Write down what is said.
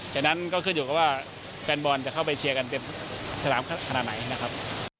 ฉะนั้นก็ขึ้นอยู่กับว่าแฟนบอลจะเข้าไปเชียร์กันเป็นสนามขนาดไหนนะครับ